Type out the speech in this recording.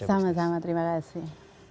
sama sama terima kasih